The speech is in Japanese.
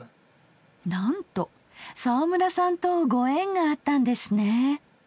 なんと沢村さんとご縁があったんですねえ。